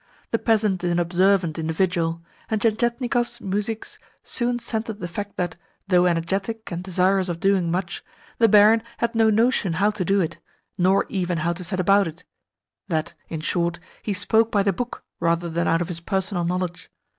The peasant is an observant individual, and Tientietnikov's muzhiks soon scented the fact that, though energetic and desirous of doing much, the barin had no notion how to do it, nor even how to set about it that, in short, he spoke by the book rather than out of his personal knowledge.